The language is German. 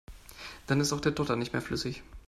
Dann ist auch der Dotter nicht mehr flüssig.